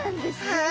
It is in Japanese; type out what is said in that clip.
はい。